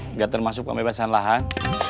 nggak termasuk pembebasan lahan